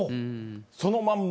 そのまんま。